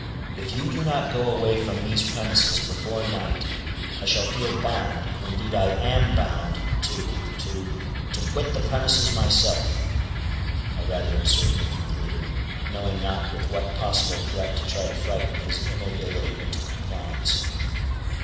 "If you do not go away from these premises before night, I shall feel bound—indeed I am bound—to—to—to quit the premises myself!" I rather absurdly concluded, knowing not with what possible threat to try to frighten his immobility into compliance.